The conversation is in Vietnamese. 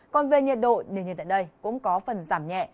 còn về nhiệt độ nền nhiệt tại đây cũng có phần giảm nhẹ